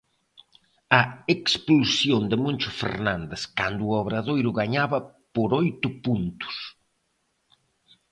A expulsión de Moncho Fernández cando o Obradoiro gañaba por oito puntos.